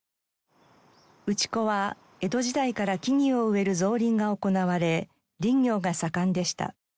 内子は江戸時代から木々を植える造林が行われ林業が盛んでした。